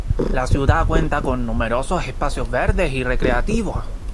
La ciudad cuenta con numerosos espacios verdes y recreativos.